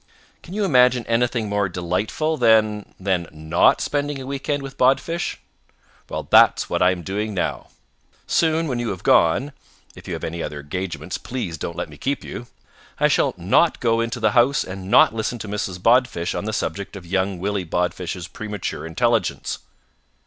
"Can you imagine anything more delightful, then, than not spending a weekend with Bodfish? Well, that's what I'm doing now. Soon, when you have gone if you have any other engagements, please don't let me keep you I shall not go into the house and not listen to Mrs. Bodfish on the subject of young Willie Bodfish's premature intelligence."